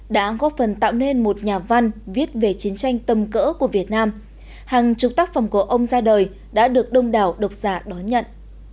đã góp phần tạo nên một nhà văn viết về chiến tranh tâm cỡ của việt nam hàng chục tác phẩm của ông ra đời đã được đông đảo độc giả đón nhận